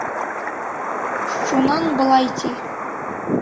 Шунан былай ти: